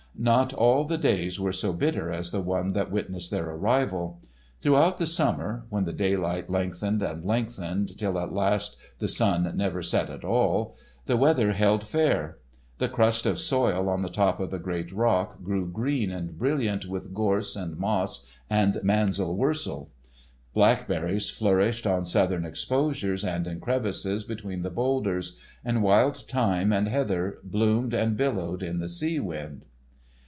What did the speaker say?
Not all the days were so bitter as the one that witnessed their arrival. Throughout the summer—when the daylight lengthened and lengthened, till at last the sun never set at all—the weather held fair. The crust of soil on the top of the great rock grew green and brilliant with gorse and moss and manzel wursel. Blackberries flourished on southern exposures and in crevices between the bowlders, and wild thyme and heather bloomed and billowed in the sea wind.